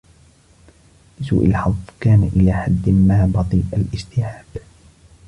لسوء الحظ كان إلى حد ما بطيء الاستيعاب.